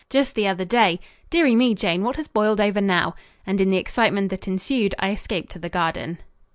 Just the other day dearie me, Jane, what has boiled over now?" And in the excitement that ensued I escaped to the garden.